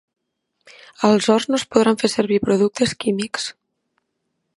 Als horts no es podran fer servir productes químics.